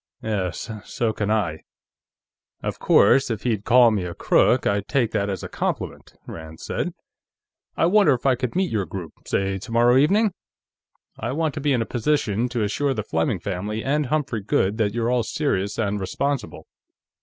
"Yes, so can I. Of course, if he'd call me a crook, I'd take that as a compliment," Rand said. "I wonder if I could meet your group, say tomorrow evening? I want to be in a position to assure the Fleming family and Humphrey Goode that you're all serious and responsible."